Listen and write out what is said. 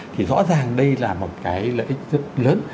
thì rõ ràng đây là một cái lợi ích rất lớn